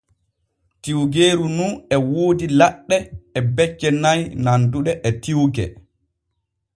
Tiwgeeru nu e woodi laɗɗe e becce nay nanduɗe e tiwge.